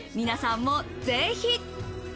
皆さんも、ぜひ。